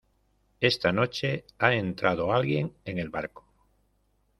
esta noche ha entrado alguien en el barco.